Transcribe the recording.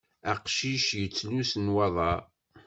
Aqcic yettlus nwaḍar.